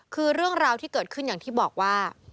คือเรื่องราวที่เกิดขึ้นอย่างที่บอกว่า